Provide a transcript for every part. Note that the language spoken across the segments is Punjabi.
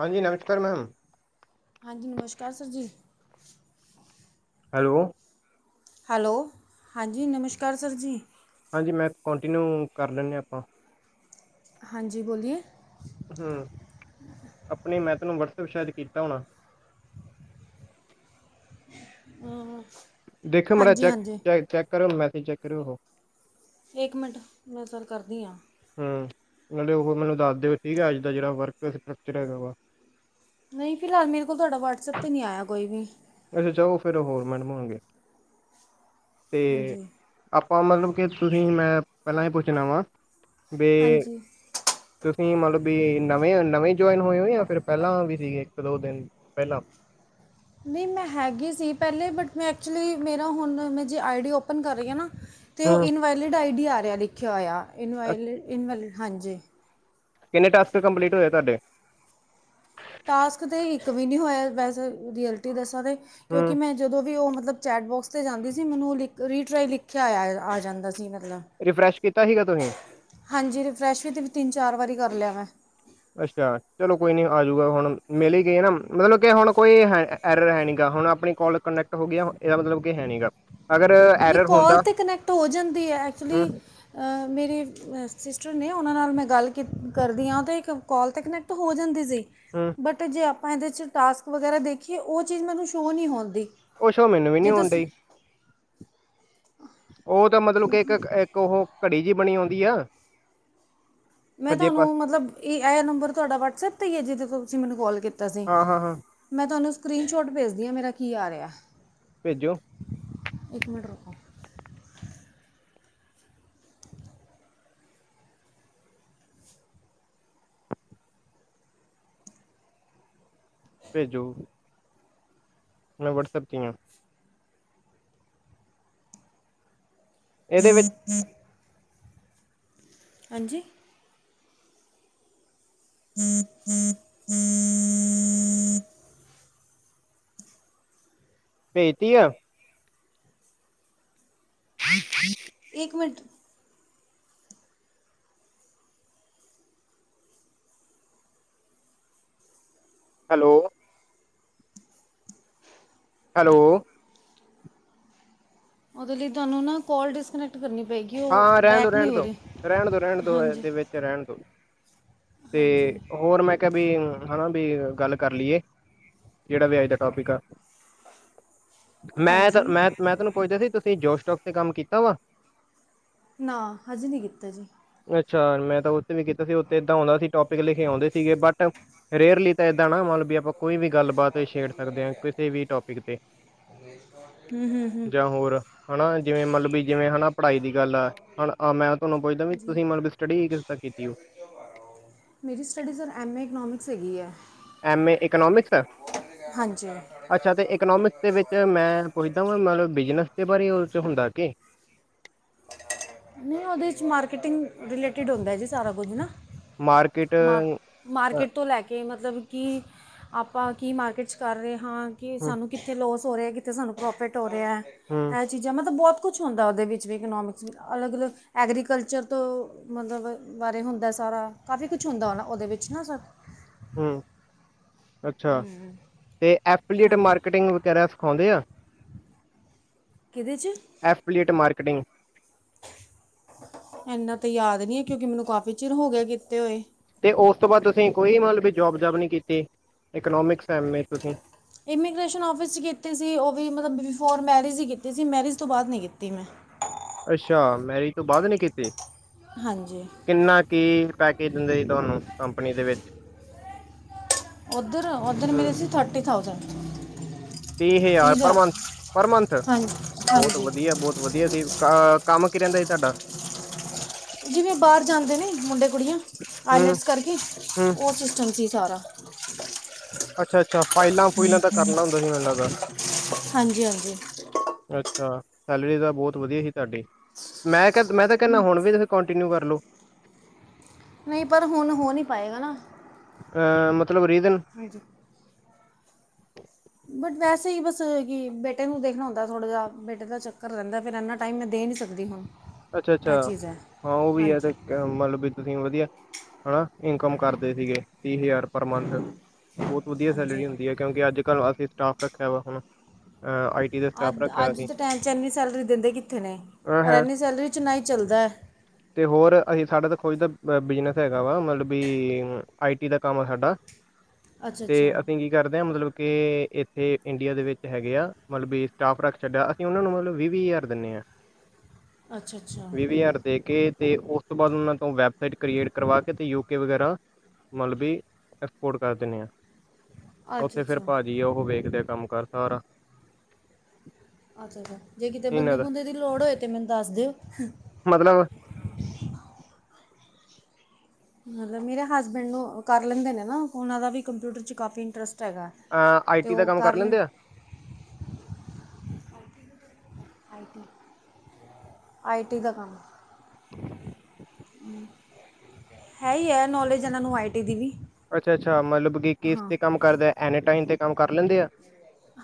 ਹਾਂਜੀ ਨਮਸਕਾਰ ਮੈਮ। ਹਾਂਜੀ ਨਮਸਕਾਰ ਸਰ ਜੀ। ਹੈਲੋ। ਹੈਲੋ, ਹਾਂਜੀ ਨਮਸਕਾਰ ਸਰ ਜੀ। ਹਾਂਜੀ ਮੈਂ ਕੰਟੀਨਿਊ ਕਰ ਲੈਂਦੇ ਹਾਂ ਆਪਾਂ। ਹਾਂਜੀ ਬੋਲੀਏ। ਹਮ ਆਪਣੇ ਮੈਂ ਤੈਨੂੰ ਵਟਸਐਪ ਸ਼ਾਇਦ ਕੀਤਾ ਹੋਣਾ। ਹਮ। ਦੇਖਿਓ ਮਾੜਾ ਚੈੱਕ ਚ ਚੈੱਕ ਕਰਿਓ ਮੈਸੇ ਚੈੱਕ ਕਰਿਓ। ਇੱਕ ਮਿੰਟ, ਮੈਂ ਸਰ ਕਰਦੀ ਹਾਂ। ਹਮ ਮਤਬ ਉਹ ਮੈਨੂੰ ਦੱਸ ਦਿਓ ਠੀਕ ਹੈ ਅੱਜ ਦਾ ਜਿਹੜਾ ਵਰਕ ਸਟਕਚਰ ਹੈਗਾ ਵਾ। ਨਹੀਂ ਫਿਲਹਾਲ ਮੇਰੇ ਕੋਲ ਤੁਹਾਡਾ ਵਟਸਐਪ ਤੇ ਨਹੀਂ ਆਇਆ ਕੋਈ ਵੀ। ਅੱਛਾ ਚੋ ਫਿਰ ਹੋਰ ਮੈਡਮ ਹੋਣਗੇ ਤੇ ਹਾਂਜੀ ਆਪਾਂ ਮਤਲਬ ਕਿ ਤੁਸੀਂ ਮੈਂ ਪਹਿਲਾਂ ਹੀ ਪੁੱਛਣਾ ਵਾ ਵੀ ਹਾਂਜੀ ਤੁਸੀਂ ਮਤਲਬ ਵੀ ਨਵੇਂ -ਨਵੇਂ ਜੁਆਇਨ ਹੋਏ ਹੋ ਜਾਂ ਫਿਰ ਪਹਿਲਾਂ ਵੀ ਸੀਗੇ ਇੱਕ ਦੋ ਦਿਨ ਪਹਿਲਾਂ। ਨਹੀਂ ਮੈਂ ਹੈਗੀ ਸੀ ਪਹਿਲੇ ਬਟ ਮੈਂ ਐਕਚੁਲੀ ਮੇਰਾ ਹੁਣ ਮੈਂ ਜੇ ਆਈ ਡੀ ਓਪਨ ਕਰ ਰਹੀ ਹਾਂ ਨਾ ਅਤੇ ਉਹ ਹੂੰ। ਇਨਵੈਲਿਡ ਆਈ ਡੀ ਆ ਰਿਹਾ ਲਿਖਿਆ ਹੋਇਆ ਅ- ਇਨਵੈਲਡ ਇਨਵੈਲਿਡ ਹਾਂਜੀ ਕਿੰਨੇ ਟਾਸਕ ਕੰਪਲੀਟ ਹੋਏ ਤੁਹਾਡੇ ਟਾਸਕ ਤਾਂ ਇੱਕ ਵੀ ਨਹੀਂ ਹੋਇਆ ਵੈਸੇ ਰੀਐਲਟੀ ਦੱਸਾਂ ਤਾਂ ਕਿਉਂਕਿ ਹੂੰ। ਮੈਂ ਜਦੋਂ ਵੀ ਉਹ ਮਤਲਬ ਚੈਟਬੋਕਸ 'ਤੇ ਜਾਂਦੀ ਸੀ ਮੈਨੂੰ ਉਹ ਲਿਖ ਰੀਟਰਾਈ ਲਿਖਿਆ ਆਇਆ ਆ ਜਾਂਦਾ ਸੀ ਮਤਲਬ ਰਿਫਰੈਸ਼ ਕੀਤਾ ਸੀਗਾ ਤੁਸੀਂ ਹਾਂਜੀ ਰਿਫਰੈਸ਼ ਵੀ ਤੇ ਤਿੰਨ ਚਾਰ ਵਾਰੀ ਕਰ ਲਿਆ ਮੈਂ। ਅੱਛਾ, ਚਲੋ ਕੋਈ ਨਹੀਂ ਆਜੂਗਾ ਹੁਣ ਮਿਲਦੀ ਗਈ ਨਾ ਮਤਲਬ ਕਿ ਹੁਣ ਕੋਈ ਹੈ ਐਰ ਹੈ ਨਹੀਂ ਹੈਗਾ ਹੁਣ ਆਪਣੀ ਕੋਲ ਕਨੈਕਟ ਹੋ ਗਿਆ ਇਹਦਾ ਮਤਲਬ ਕਿ ਹੈ ਨਹੀਂ ਹੈਗਾ। ਅਗਰ ਨਹੀਂ ਕੋਲ ਤਾਂ ਕਨੈਕਟ ਹੋ ਜਾਂਦੀ ਹੈ ਹੂੰ, ਐਕਚੁਲੀ ਮੇਰੇ ਸਿਸਟਰ ਨੇ ਉਹਨਾਂ ਨਾਲ ਮੈਂ ਗੱਲ ਕਿ ਕਰਦੀ ਹਾਂ ਅਤੇ ਇੱਕ ਕੋਲ 'ਤੇ ਕਨੈਕਟ ਹੋ ਜਾਂਦੀ ਸੀ ਹਮ ਬਟ ਜੇ ਆਪਾਂ ਇਹਦੇ 'ਚ ਟਾਸਕ ਵਗੈਰਾ ਦੇਖੀਏ ਉਹ ਚੀਜ਼ ਮੈਨੂੰ ਸ਼ੋਅ ਨਹੀਂ ਹੁੰਦੀ ਉਹ ਸ਼ੋ ਮੈਨੂੰ ਵੀ ਨਹੀਂੀ ਜੇ ਆਉਣ ਤੁਸੀਂ ਡਈ ਉਹ ਤਾਂ ਮਤਲਬ ਕਿ ਇੱਕ ਇੱਕ ਉਹ ਘੜੀ ਜਿਹੀ ਬਣੀ ਆਉਂਦੀ ਆ ਮੈਂ ਸੱਜੇ ਪਾਸ ਤੁਹਾਨੂੰ ਮਤਲਬ ਇਹ ਇਹ ਨੰਬਰ ਤੁਹਾਡਾ ਵਟਸਐਪ 'ਤੇ ਹੀ ਹੈ ਜਿਹਦੇ ਤੋਂ ਤੁਸੀਂ ਮੈਨੂੰ ਕੋਲ ਕੀਤਾ ਸੀ ਹਾਂ, ਹਾਂ, ਹਾਂ ਮੈਂ ਤੁਹਾਨੂੰ ਸਕਰੀਨ ਸ਼ੋਟ ਭੇਜਦੀ ਹਾਂ ਮੇਰਾ ਕੀ ਆ ਰਿਹਾ ਭੇਜੋ ਇੱਕ ਮਿੰਟ ਰੱਖੋ ਭੇਜੋ ਮੈਂ ਵਟਸਐਪ ' ਹਾਂ ਇਹਦੇ ਵਿੱਚ [unintelligible] ਹਾਂਜੀ [unintelligible] ਭੇਜਤੀ ਆ [unintelligible] ਇੱਕ ਮਿੰਟ ਹੈਲੋ ਹੈਲੋ ਉਹਦੇ ਲਈ ਤੁਹਾਨੂੰ ਨਾ ਕੋਲ ਡਿਸਕਨੈਕਟ ਕਰਨੀ ਪਏਗੀ ਉਹ ਹਾਂ ਰਹਿਣ ਦੋ ਬੈਕ ਨਹੀਂ ਰਹਿਣ ਹੋ ਦੋ ਰਹੀ ਰਹਿਣ ਦੋ ਰਹਿਣ ਦੋ ਹਾਂਜੀ ਇਹਦੇ ਵਿੱਚ ਰਹਿਣ ਤੋਂ ਹਾਂਜੀ ਤੇ ਹੋਰ ਮੈਂ ਵੀ ਹਨਾ ਵੀ ਗੱਲ ਕਰ ਲਈਏ ਜਿਹੜਾ ਵੀ ਅੱਜ ਦਾ ਟੋਪਿਕ ਆ ਮੈਂ ਤਾਂ ਹਾਂਜੀ ਮੈਂ ਮੈਂ ਤੁਹਾਨੂੰ ਪੁੱਛਦਾ ਸੀ ਤੁਸੀਂ ਜੋਸ਼ਟੋਕ ਤੇ ਕੰਮ ਕੀਤਾ ਵਾ ਨਾ ਅੱਜੇ ਨਹੀਂ ਕੀਤਾ ਜੀ ਅੱਛਾ ਮੈਂ ਤਾਂ ਉੱਥੇ ਵੀ ਕੀਤਾ ਸੀ ਉੱਥੇ ਏਦਾਂ ਆਉਂਦਾ ਸੀ ਟੋਪਿਕ ਲਿਖ ਆਉਂਦੇ ਸੀਗੇ ਬਟ ਰੇਅਰਲੀ ਏਦਾਂ ਨਾ ਮਤਲਬ ਵੀ ਆਪਾਂ ਕੋਈ ਵੀ ਗੱਲਬਾਤ ਛੇੜ ਸਕਦੇ ਹਾਂ ਕਿਸੇ ਵੀ ਟੋਪਿਕ ਤੇ ਹਮ ਹਮ ਹਮ ਜਾਂ ਹੋਰ ਹਨਾ ਜਿਵੇਂ ਮਤਲਬ ਵੀ ਜਿਵੇਂ ਹਨਾ ਪੜ੍ਹਾਈ ਦੀ ਗੱਲ ਆ ਹਣ ਮੈਂ ਤੁਹਾਨੂੰ ਪੁੱਛਦਾ ਵੀ ਜੀ ਤੁਸੀਂ ਮਤਲਬ ਵੀ ਸਟੱਡੀ ਕਿਸ ਤ ਕੀਤੀ ਹੋ ਮੇਰੀ studies sir M A economics ਹੈਗੀ ਹੈ ਐਮ ਏ ਇਕੋਨੋਮਿਕਸ ਹੈ ਹਾਂਜੀ ਅੱਛਾ ਤੇ ਇਕਨੋਮਿਕਸ ਦੇ ਵਿੱਚ ਮੈਂ ਪੁੱਛਦਾ ਵ ਮਤਲਬ ਬਿਜਨਸ ਦੇ ਬਾਰੇ ਉਹ ' ਹੁੰਦਾ ਕਿ ਨਹੀਂ ਉਹਦੇ 'ਚ ਮਾਰਕੀਟਿੰਗ ਰਿਲੇਟਿਡ ਹੁੰਦਾ ਜੀ ਸਾਰਾ ਕੁਝ ਨਾ ਮਾ ਮਾਰਕਿਟੀਂਗ ਮਾਰਕੀਟ ਤੋਂ ਲੈ ਕੇ ਮਤਲਬ ਕਿ ਆਪਾਂ ਕੀ ਮਾਰਕੀਟ 'ਚ ਕਰ ਰਹੇ ਹਾਂ ਕਿ ਹੂੰ ਸਾਨੂੰ ਕਿੱਥੇ ਲੋਸ ਹੋ ਰਿਹਾ ਕਿੱਥੇ ਸਾਨੂੰ ਪ੍ਰੋਫਿਟ ਹੋ ਰਿਹਾ ਇਹ [unintelligible] ਚੀਜ਼ਾਂ ਮਤਲਬ ਬਹੁਤ ਕੁਛ ਹੁੰਦਾ ਉਹਦੇ ਵਿੱਚ ਵੀ ਇਕਨੋਮਿਕਸ ਵਿੱਚ ਅਲੱਗ -ਅਲੱਗ ਐਗਰੀਕਲਚਰ ਤੋਂ ਮਤਲਬ ਬਾਰੇ ਹੁੰਦਾ ਸਾਰਾ ਕਾਫੀ ਕੁਛ ਹੁੰਦਾ ਉਹ ਨਾ ਉਹਦੇ ਵਿੱਚ ਕੁੱਛ ਨਾ ਸਰ ਹਮ ਅੱਛਾ ਤੇ ਐਪਲੀਏਟ ਹਾਂਜੀ ਮਾਰਕੀਟਿੰਗ ਵਗੈਰਾ ਸਿਖਾਉਂਦੇ ਆ ਕਿਹਦੇ 'ਚ ਐਫਲੀਟ ਮਾਰਕਟਿੰਗ ਇੰਨਾ ਤੇ ਯਾਦ ਨੀ ਹੈ ਕਿਉਂਕਿ ਮੈਨੂੰ ਕਾਫ਼ੀ ਚਿਰ ਹੋ ਗਿਆ ਕੀਤੇ ਹੋਏ ਤੇ ਉਸ ਤੋਂ ਬਾਅਦ ਤੁਸੀਂ ਕੋਈ ਮਤਲਬ ਜੋਬ ਜਬ ਨੀ ਕੀਤੀ ਇਕਨੋਮਿਕਸ ਐਮ ਏ ਤੁਸੀਂ ਇਮੀਗ੍ਰੇਸ਼ਨ ਆਔਫਿਸ 'ਚ ਕੀਤੀ ਸੀ ਉਹ ਵੀ ਮਤਲਬ ਬਿਫੋਰ ਮੈਰਿਜ ਹੀ ਕੀਤੀ ਸੀ ਮੈਰਿਜ ਤੋਂ ਬਾਅਦ ਨਹੀਂ ਕੀਤੀ ਮੈਂ ਅੱਛਾ ਮੈਰਿਜ ਤੋਂ ਬਾਅਦ ਨੇ ਕੀਤੀ ਹਾਂਜੀ ਕਿੰਨਾ ਕੀ ਪੈਕੇਜ ਦਿੰਦੇ ਜੀ ਤੁਹਾਨੂੰ ਕੰਪਨੀ ਦੇ ਵਿੱਚ ਉੱਧਰ ਉੱਧਰ ਹੂੰ ਮਿਲੇ ਸੀ ਥਰਟੀ ਥਾਊਸੈਂਡ ਤੀਹ ਹਜ਼ਾਰ ਪਰ ਮੰਥ, ਪਰ ਮੰਥ ਹਾਂਜੀ ਬਹੁਤ ਹਾਂਜੀ ਵਧੀਆ, ਬਹੁਤ ਵਧੀਆ ਸੀ ਅ ਕੰਮ ਕੀ ਰਹਿੰਦਾ ਸੀ ਤੁਹਾਡਾ ਜਿਵੇਂ ਬਾਹਰ ਜਾਂਦੇ ਨੇ ਮੁੰਡੇ ਕੁੜੀਆਂ ਹੂੰ ਆਈਲੈਟਸ ਕਰਕੇ ਹੂੰ ਉਹ ਚ ਚੰਜੀ ਸਾਰਾ ਅੱਛਾ ਅੱਛਾ ਫਾਈਲਾਂ ਫੁਈਲਾਂ ਤਾਂ ਕਰਨਾ ਹੁੰਦਾ ਸੀ ਮੈਨੂੰ ਲੱਗਦਾ ਹਾਂਜੀ- ਹਾਂਜੀ। ਅੱਛਾ, ਸੈਲਰੀ ਤਾਂ ਬਹੁਤ ਵਧੀਆ ਸੀ ਤੁਹਾਡੀ, ਮੈਂ ਕ ਮੈਂ ਤਾਂ ਕਹਿੰਦਾ ਹੁਣ ਵੀ ਕੰਟੀਨਿਊ ਕਰ ਲੋ ਨਹੀਂ ਪਰ ਹੁਣ ਹੋ ਨਹੀਂ ਪਾਏਗਾ ਨਾ ਅ ਮਤਲਬ ਰੀਜ਼ਨ ਹਾਂਜੀ ਬਟ ਵੈਸੇ ਹੀ ਬਸ ਕਿ ਬੇਟੇ ਨੂੰ ਦੇਖਣਾ ਹੁੰਦਾ ਥੋੜਾ ਜਿਹਾ, ਬੇਟੇ ਦਾ ਚੱਕਰ ਰਹਿੰਦਾ ਫਿਰ ਇਨਾ ਟਾਈਮ ਮੈਂ ਦੇ ਨਹੀਂ ਸਕਦੀ ਹਾਂ ਅੱਛਾ -ਅੱਛਾ ਹਾਂ ਉਹ ਵੀ ਹੈ ਤੇ ਮਤਲਬ ਵੀ ਤੁਸੀਂ ਵਧੀਆ ਹਨਾ, ਇਨਕਮ ਕਰਦੇ ਸੀਗੇ ਤੀਹ ਹਜ਼ਾਰ ਪਰ ਮੰਥ ਬਹੁਤ ਵਧੀਆ ਹਾਂਜੀ ਸੈਲਰੀ ਹੁੰਦੀ ਹੈ ਕਿਉਂਕਿ ਅੱਜ ਕੱਲ੍ਹ ਅਸੀਂ ਸਟਾਫ ਰੱਖਿਆ ਵਾ ਹੁਣ, ਅਈ ਅੱਜ ਅੱਜ ਦੇ ਟਾਈਮ 'ਚ ਇੰਨੀ ਸੈਲਰੀ ਦਿੰਦੇ ਕਿੱਥੇ ਨੇ, ਅ ਪਰ ਹੈ ਇਨੀ ਸੈਲਰੀ 'ਚ ਨਹੀਂ ਹੀ ਚੱਲਦਾ ਅਤੇ ਹੋਰ ਅਸੀਂ ਸਾਡਾ ਤਾਂ ਖੁਜ ਦਾ ਬਿਜਨਸ ਹੈਗਾ ਵਾ ਮਤਲਬ ਵੀ ਆਈ ਟੀ ਦਾ ਕੰਮ ਆ ਸਾਡਾ ਅੱਛਾ ਤੇ ਅੱਛਾ ਅਸੀਂ ਜ ਕਰਦੇ ਹ ਮਤਲਬ ਕਿ ਇੱਥੇ ਇੰਡੀਆ ਦੇ ਵਿੱਚ ਹੈਗੇ ਆ ਮਤਲਬ ਵੀ ਸਟਾਫ ਰੱਖ ਛੱਡਿਆ ਅਤੇ ਉਹਨਾਂ ਨੂੰ ਮਤਲਬ ਵੀਹ- ਵੀਹ ਹਜ਼ਾਰ ਦਿੰਦੇ ਹਾਂ ਅੱਛਾ- ਅੱਛਾ। ਵੀਹ ਹਜ਼ਾਰ ਦੇ ਕੇ, ਤੇ ਉਸ ਤੋਂ ਬਾਅਦ ਉਹਨਾਂ ਤੋਂ ਵੈਬਸਾਈਟ ਕ੍ਰੀਏਟ ਕਰਵਾ ਕੇ ਤੇ ਯੂਕੇ ਵਗੈਰਾ ਮਤਲਬ ਵੀ, ਐਕਸਪੋਰਟ ਕਰ ਦਿੰਦੇ ਹਾਂ। ਅੱਛਾ ਉੱਥੇ ਫਿਰ ਅੱਛਾ ਭਾਜੀ ਉਹ ਵੇਖਦੇ ਆ ਕੰਮ ਕਰ ਸਾਰਾ ਅੱਛਾ -ਅੱਛਾ ਜੇ ਕਿਤੇ ਬੰਦੇ ਇਹਨਾਂ ਦਾ -ਬੁੰਦੇ ਦੀ ਲੋੜ ਹੋਏ ਤੇ ਮੈਨੂੰ ਦੱਸ ਦਿਓ। ਮਤਲਬ ਮਤਲਬ, ਮੇਰੇ ਹਸਬੈਂਡ ਨੂੰ ਕਰ ਲੈਂਦੇ ਨੇ ਨਾ ਉਹਨਾਂ ਦਾ ਵੀ ਕੰਪਿਊਟਰ ਚ ਕਾਫ਼ੀ ਇੰਟਰਸਟ ਹੈਗਾ ਅ ਅਤੇ ਆਈਟੀ ਦਾ ਉਹ ਕੰਮ ਕਰ ਲੈਣ ਲੈਂਦੇ ਆ ਆਈਟੀ, ਆਈਟੀ ਦਾ ਕੰਮ ਹਮ ਹੈ ਹੀ ਹੈ ਨੌਲੇਜ ਇਹਨਾਂ ਨੂੰ ਆਈਟੀ ਦੀ ਵੀ ਅੱਛਾ -ਅੱਛਾ ਮਤਲਬ ਕਿ ਕਿਸ ਹਾਂ ਤੇ ਕੰਮ ਕਰਦਾ ਐਨੀ ਟਮ ਤੇ ਕੰਮ ਕਰ ਲੈਂਦੇ ਆ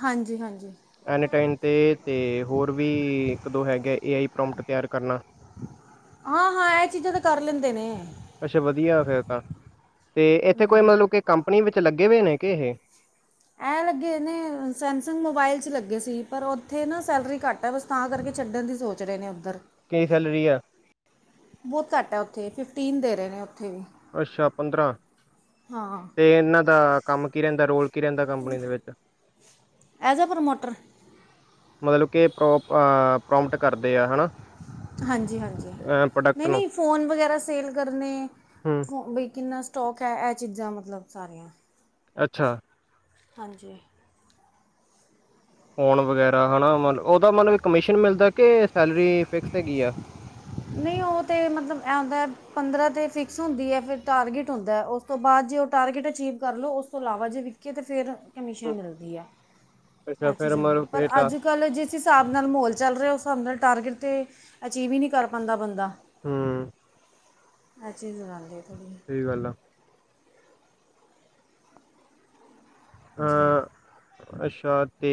ਹਾਂਜੀ-ਹਾਂਜੀ। ਐਨੀ ਟਾਈਮ ਤੇ ਤੇ ਹੋਰ ਵੀ ਇੱਕ ਦੋ ਹੈਗੇ ਏ ਆਈ ਪ੍ਰੋਮਟ ਤਿਆਰ ਕਰਨਾ ਹਾਂ -ਹਾਂ ਇਹ ਚੀਜ਼ਾਂ ਤੇ ਕਰ ਲੈਂਦੇ ਨੇ। ਅੱਛਾ ਵਧੀਆ ਫਿਰ ਤਾਂ, ਤੇ ਇੱਥੇ ਕੋਈ ਹਮ, ਮਤਲਬ ਕਿ ਕੰਪਨੀ ਵਿੱਚ ਲੱਗੇ ਹੋਏ ਨੇ ਕਿ ਇਹ ਇਹ ਲੱਗੇ ਇਹਨੇ ਸੈਮਸੰਗ ਮੋਬਾਇਲ ਚ ਲੱਗੇ ਸੀ ਪਰ ਉੱਥੇ ਨਾ ਸੈਲਰੀ ਘੱਟ ਹੈ ਬਸ ਤਾਂ ਕਰਕੇ ਛੱਡਣ ਦੀ ਸੋਚ ਰਹੇ ਨੇ ਉੱਧਰ ਕਿ ਸੈਲਰੀ ਹੈ ਬਹੁਤ ਘੱਟ ਹੈ, ਉੱਥੇ ਫਿਫਟੀਨ ਦੇ ਰਹੇ ਨੇ ਉੱਥੇ ਵੀ ਅੱਛਾ ਪੰਦਰ੍ਹਾਂ ਹਾਂ ਤੇ ਇਹਨਾਂ ਦਾ ਕੰਮ ਕੀ ਰਹਿੰਦਾ ਰੋਲ ਕੀ ਰਹਿੰਦਾ ਕੰਪਨੀ ਦੇ ਵਿੱਚ ਐਜ਼ ਅ ਪ੍ਰਮੋਟਰ ਮਤਲਬ ਕਿ ਪ੍ਰੋ ਪ੍ਰੋਮਟ ਕਰਦੇ ਆ ਹੈ ਨਾ, ਪ੍ਰੋਡਕਟ ਨੂੰ ਫੋਨ ਵਗੈਰਾ ਸੇਲ ਕਰਨੇ ਹਮ ਫੋ ਬਈ ਕਿੰਨਾ ਸਟੋਕ ਹੈ ਇਹ ਚੀਜ਼ਾਂ ਮਤਲਬ ਸਾਰੀਆਂ ਅੱਛਾ ਹਾਂਜੀ ਫੋਨ ਵਗੈਰਾ ਹਨਾ, ਉਹਦਾ ਮਤਲਬ ਕਮਿਸ਼ਨ ਮਿਲਦਾ ਕਿ, ਸੈਲਰੀ ਫਿਕਸ ਹੈਗੀ ਆ। ਨਹੀਂ ਉਹ ਤੇ ਮਤਲਬ ਇਹ ਹੁੰਦਾ ਪੰਦਰਾਂ ਤੇ ਫਿਕਸ ਹੁੰਦੀ ਹੈ, ਫਿਰ ਟਾਰਗੇਟ ਹੁੰਦਾ ਉਸ ਤੋਂ ਬਾਅਦ ਜੇ ਉਹ ਟਾਰਗੇਟ ਅਚੀਵ ਕਰ ਲਉ, ਉਸ ਤੋਂ ਇਲਾਵਾ ਜੇ ਵਿਕੇ ਤਾਂ ਫਿਰ ਕਮੀਸ਼ਨ ਹੂੰ, ਮਿਲਦੀ ਐ, ਅੱਛਾ ਚੀਜ਼ ਫਿਰ ਹੁੰਦੀ ਮਤਲਬ ਪਰ ਕਿ ਟ ਅੱਜ ਅੱਜ-ਕੱਲ੍ਹ ਜਿਸ ਹਿਸਾਬ ਨਾਲ ਮਾਹੌਲ ਚੱਲ ਰਿਹਾ, ਉਸ ਹਿਸਾਬ ਨਾਲ ਟਾਰਗੇਟ 'ਤੇ ਅਚੀਵ ਹੀ ਨਹੀਂ ਕਰ ਪਾਉਂਦਾ ਬੰਦਾ ਹੂੰ, ਅ ਚੀਜ਼ ਰਾਂਦੀ ਹੀ ਸਹੀ ਗੱਲ ਆ ਜੀ ਅ ਅੱਛਾ ਤੇ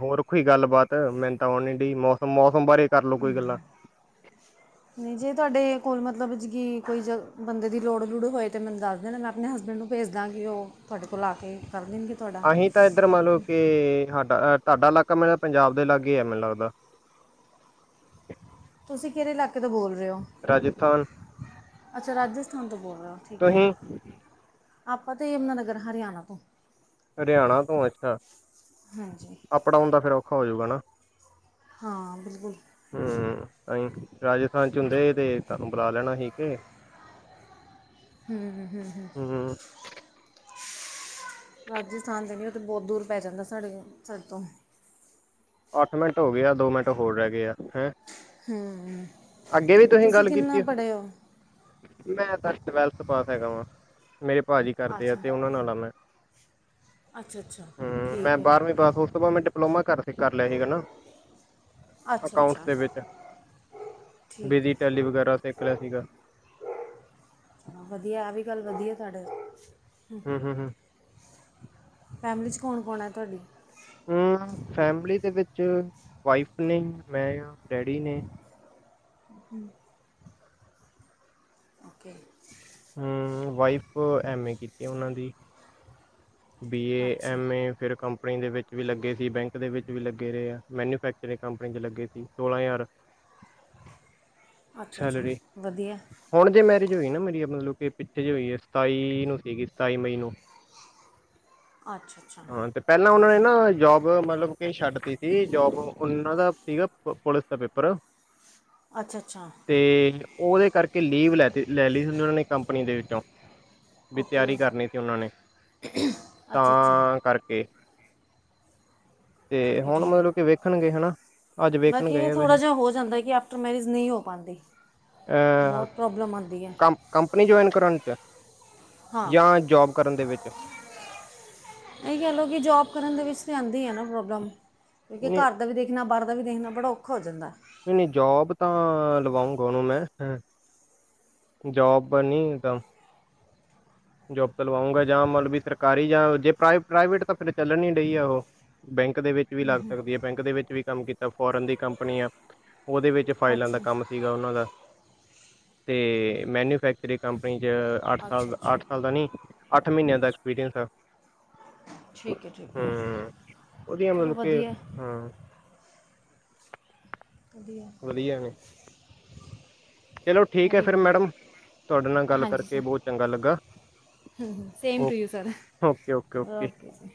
ਹੋਰ ਕੋਈ ਗੱਲਬਾਤ, ਮੈਨੂੰ ਤਾਂ ਉਹਨ ਦੀ ਮੌਸਮ-ਮੌਸਮ ਬਾਰੇ ਕਰ ਲਓ ਕੋਈ ਗੱਲਾਂ। [unintelligible] [unintelligible] ਨਹੀਂ ਜੇ ਤੁਹਾਡੇ ਕੋਲ ਮਤਲਬ ਜਗੀ ਕੋਈ ਬੰਦੇ ਦੀ ਲੋੜ-ਲੂੜ ਹੋਏ ਤੇ ਮੈਨੂੰ ਦੱਸ ਦੇ ਨਾ ਮੈਂ ਆਪਣੇ ਹਸਬੈਂਡ ਨੂੰ ਭੇਜਦਾ ਗਈ, ਕਿ ਉਹ ਤੁਹਾਡੇ ਕੋਲ ਆ ਕੇ ਕਰ ਦੇਣਗੇ ਤੁਹਾਡਾ ਅਸੀਂ ਤਾਂ ਇੱਧਰ ਮੰਨ ਲਓ, ਕਿ ਸਾਡਾ ਤੁਹਾਡਾ ਇਲਾਕਾ ਮੈੂੰ ਪੰਜਾਬ ਦੇ ਇਲਾਗੇ ਹੈ ਮੈਨੂੰ ਲੱਗਦਾ ਤੁਸੀਂ ਕਿਹੜੇ ਇਲਾਕੇ ਤੋਂ ਬੋਲ ਰਹੇ ਹੋ-? ਰਾਜਸਥਾਨ ਅੱਛਾ ਰਾਜਸਥਾਨ ਤੋਂ ਬੋਲ ਰਹੇ ਹੋ ਠੀਕ ਹੈ। ਤੁਸੀਂ ਆਪਾਂ ਤੇ ਯਮੁਨਾ ਨਗਰ ਹਰਿਆਣਾ ਤੋਂ ਹਰਿਆਣਾ ਤੋਂ ਅੱਛਾ ਹਾਂਜੀ ਅਪ ਡਾਊਨ ਦਾ ਫਿਰ ਔਖਾ ਹੋਜੂਗਾ ਨਾ ਹਾਂ ਬਿਲਕੁਲ ਹੂੰ, ਰਾਜਸਥਾਨ ਚ ਹੁੰਦੇ ਤੇ ਤੁਹਾਨੂੰ ਬੁਲਾ ਲੈਣਾ ਸੀ ਠੀਕੇ [unintelligible] ਹੂੰ-ਹੂੰ-ਹੂੰ-ਹੂੰ ਹੂੰ, ਰਾਜਸਥਾਨ ਜਾਣੀ ਉਹ ਤਾਂ ਬਹੁਤ ਦੂਰ ਪੈ ਜਾਂਦਾ ਸਾਡੇ ਸਡੇ ਤੋਂ ਅੱਠ ਮਿੰਟ ਹੋ ਗਿਆ ਏ ਆ, ਦੋ ਮਿੰਟ ਹੋਰ ਰਹਿ ਗਏ ਆ ਹੈਂ ਹੂੰ ਅੱਗੇ ਵੀ ਤੁਸੀਂ ਗੱਲ ਕੀਤੀ ਕਿੰਨਾ ਆ? ਪੜ੍ਹੇ ਹੋ ਮੈਂ ਤਾਂ ਟਵੈਲਥ ਪਾਸ ਹੈਗਾ, ਵਾਂ ਮੇਰੇ ਭਾ ਜੀ ਕਰਦੇ ਆ ਅੱਛਾ ਤੇ ਉਹਨਾਂ ਨਾਲ ਆ ਮੈਂ ਅੱਛਾ ਅੱਛਾ ਹੂੰ, ਮੈਂ ਠੀਕ ਹੈ ਬਾਰਵੀ ਪਾਸ ਉਸ ਤੋਂ ਬਾਅਦ ਮੈਂ ਡਿਪਲੋਮਾ ਕਰ ਕਰ ਲਿਆ ਸੀਗਾ ਨਾ ਅੱਛਾ ਅਕਾਊਟਸ ਅੱਛਾ ਦੇ ਵਿੱਚ ਠੀਕ ਹੈ ਬੇਸਿਕ ਵਗੈਰਾ ਸਿੱਖ ਲਿਆ ਸੀਗਾ। ਵਧੀਆ ਆ ਵੀ ਗੱਲ ਵਧੀਆ ਤੁਡੇ ਹੂੰ ਹੂੰ ਹੂੰ ਫੈਮਿਲੀ 'ਚ ਕੌਣ-ਕੌਣ ਹੈ ਤੁਹਾਡੀ? ਫੈਮਿਲੀ ਦੇ ਵਿੱਚ ਵਾਈਫ ਨੇ ਮੈਂ ਡੈਡੀ ਨੇ, [unintelligible] ਓਕੇ, ਹਮ ਵਾਈਫ ਐਮ ਏ ਕੀਤੀ ਉਹਨਾਂ ਦੀ ਬੀ ਏ ਅੱਛਾ ਐਮ ਏ ਫਿਰ ਕੰਪਨੀ ਦੇ ਵਿੱਚ ਵੀ ਲੱਗੇ ਸੀ ਬੈਂਕ ਦੇ ਵਿੱਚ ਵੀ ਲੱਗੇ ਰਹੇ ਆ ਮੈਨੂਫੈਕਚਰਿੰਗ ਕੰਪਨੀ ਚ ਲੱਗੇ ਸੀ ਸੋਲਾਂ ਹਜ਼ਾਰ [inaudible] ਅੱਛਾ ਅੱਛਾ ਵਧੀਆ ਹੁਣੇ ਮੈਰਿਜ ਹੋਈ ਨਾ ਮੇਰੀ, ਮਤਲਬ ਕਿ ਪਿੱਛੇ ਜੇ ਹੋਈ ਹੈ, ਸਤਾਈ ਨੂੰ ਸੀਗੀ ਸਤਾਈ ਮਈ ਨੂੰ ਅੱਛਾ ਅੱਛਾ ਹਾਂ ਤੇ ਪਹਿਲਾਂ ਉਹਨਾਂ ਠੀਕ ਨੇ ਹੈ, ਨਾ ਜੋਬ ਮਤਲਬ ਕਿ ਛੱਡਤੀ ਸੀ, ਜੋਬ ਉਹਨਾਂ ਦਾ ਸੀਗਾ, ਪੁਲਿਸ ਦਾ ਪੇਪਰ ਅੱਛਾ-ਅੱਛਾ, ਤੇ ਉਹਦੇ ਕਰਕੇ ਲੀਵ ਲੈ-ਲੈ ਲਈ ਉਹਨਾਂ ਨੇ ਕੰਪਨੀ ਦੇ ਵਿੱਚੋਂ ਵੀ ਓਕੇ ਤਿਆਰੀ ਕਰਨੀ ਸੀ ਉਹਨਾਂ ਨੇ ਅੱਛਾ ਅੱਛਾ ਤਾਂ ਕਰਕੇ ਤੇ ਠੀਕ ਹੈ ਠੀਕ ਹੁਣ ਹੈ ਮਤਲਬ ਕਿ ਵੇਖਣਗੇ ਹਨਾ। ਅੱਜ ਵੇਖਣ ਬਾਕੀ ਗਏ ਇਹ ਆ ਥੋੜ੍ਹਾ ਵੈਸੇ ਜਿਹਾ ਹੋ ਜਾਂਦਾ, ਕਿ ਆਫਟਰ ਮੈਰਿਜ ਨਹੀਂ ਹੋ ਪਾਉਂਦਾ। ਅ ਬਹੁਤ ਪ੍ਰੋਬਲਮ ਆਉਂਦੀ ਹੈ। ਕੰ ਕੰਪਨੀ ਜੁਆਇਨ ਕਰਨਉਣ 'ਚ ਹਾਂ ਜਾਂ ਜੋਬ ਕਰਨ ਦੇ ਵਿੱਚ ਇਹੀ ਕਹਿ ਲਓ ਕਿ ਜੋਬ ਕਰਨ ਦੇ ਵਿੱਚ ਤੇ ਆਉਂਦੀ ਹੈ ਨਾ ਪ੍ਰੋਬਲਮ ਕਿਉਂਕਿ ਨਹੀਂ ਘਰ ਦਾ ਵੀ ਦੇਖਣਾ ਬਾਹਰ ਦਾ ਵੀ ਦੇਖਣਾ ਬੜਾ ਔਖਾ ਹੋ ਜਾਂਦਾ ਹੈ। ਨਹੀਂ ਨਹੀਂ ਜੋਬ ਤਾਂ ਲਵਾਉਂਗਾ ਉਹਨੂੰ ਮੈਂ [inaudible] ਜੋਬ ਤਾਂ ਲਵਾਉਂਗਾ ਜਾਂ ਮਤਲਬ ਵੀ ਸਰਕਾਰੀ ਜਾਂ ਜੇ ਪ੍ਰਾਈਵੇਟ ਤਾਂ ਫਿਰ ਚੱਲਣ ਹੀ ਡਹੀ ਹੈ ਉਹ ਬੈਂਕ ਦੇ ਵਿੱਚ ਵੀ ਲੱਗ ਸਕਦੀ ਹੈ। ਬੈਂਕ ਦੇ ਵਿੱਚ ਵੀ ਕੰਮ ਕੀਤਾ, ਫੋਰਨ ਦੀ ਕੰਪਨੀ ਆ ਉਹਦੇ ਵਿੱਚ ਹੈ। ਫਾਈਲਾਂ ਦਾ ਅੱਛਾ ਕੰਮ ਸੀਗਾ ਉਹਨਾਂ ਦਾ ਤੇ ਮੈਨੂਫੈਕਚਰਿੰਗ ਕੰਪਨੀ ਚ ਅੱਠ ਸਾਲ ਅੱਛਾ ਦਾ ਅੱਛਾ ਅੱਠ ਸਾਲ ਦਾ ਨੀ ਅੱਠ ਮਹੀਨਿਆਂ ਦਾ ਐਕਸਪੀਰੀਅੰਸ ਠੀਕ ਹੈ ਠੀਕ ਹੈ ਹੂੰ ਉਹਦੀਆਂ ਚਲੋ ਮਤਲਬ ਕਿ ਵਧੀਆ ਹਾਂ [inaudible] ਵਧੀਆ ਨੇ ਚਲੋ ਠੀਕ ਇਹ ਹੈ ਵੀ ਫਿਰ ਗਏ ਮੈਡਮ ਤੁਹਾਡੇ ਨਾਲ ਗੱਲ ਕਰਕੇ ਬਹੁਤ ਚੰਗਾ ਲੱਗਾ same uh to you sir okay okay okay